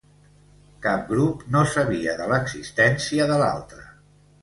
Cap grup no sabia de l'existència de l'altre.